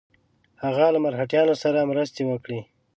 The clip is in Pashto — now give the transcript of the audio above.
هغه له مرهټیانو سره مرستې وکړي.